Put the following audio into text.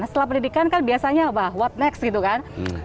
setelah pendidikan kan biasanya what next gitu kan